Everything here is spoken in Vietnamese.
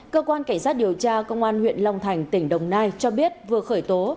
cơ quan cảnh sát điều tra công an huyện long thành tỉnh đồng nai cho biết vừa khởi tố